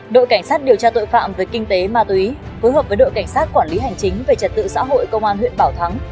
đội cảnh sát điều tra tội phạm về kinh tế ma túy phối hợp với đội cảnh sát quản lý hành chính về trật tự xã hội công an huyện bảo thắng